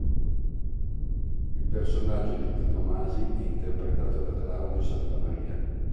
Il personaggio di Pino Masi è interpretato da Claudio Santamaria.